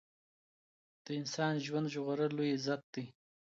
د انسان ژوند ژغورل لوی عزت دی.